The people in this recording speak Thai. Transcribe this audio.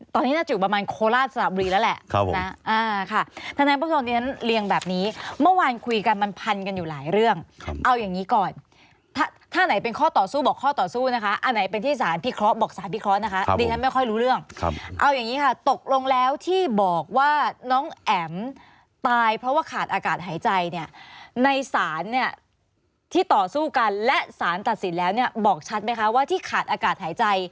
ทนายความของทนายเรียงแบบนี้เมื่อวานคุยกันมันพันกันอยู่หลายเรื่องเอาอย่างนี้ก่อนถ้าไหนเป็นข้อต่อสู้บอกข้อต่อสู้นะคะอันไหนเป็นที่สารพิเคราะห์บอกสารพิเคราะห์นะคะทนายไม่ค่อยรู้เรื่องเอาอย่างนี้ค่ะตกลงแล้วที่บอกว่าน้องแอมตายเพราะว่าขาดอากาศหายใจเนี่ยในสารเนี่ยที่ต่อสู้กันและสารตัดสินแล้วเนี่ย